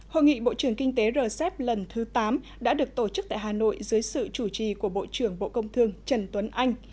hội nghị bộ trưởng kinh tế rcep lần thứ tám đã được tổ chức tại hà nội dưới sự chủ trì của bộ trưởng bộ công thương trần tuấn anh